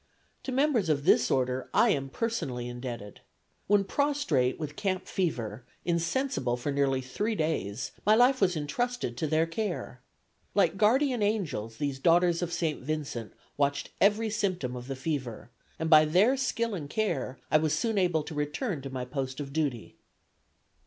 To members of this order I am personally indebted. When prostrate with camp fever, insensible for nearly three days, my life was entrusted to their care. Like guardian angels these Daughters of St. Vincent watched every symptom of the fever, and by their skill and care I was soon able to return to my post of duty."